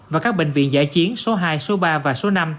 và các bệnh viện giải chiến số hai số ba và số năm